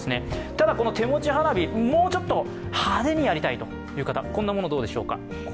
ただ手持ち花火、もうちょっと派手にやりたいという方、こんなもの、どうでしょうか？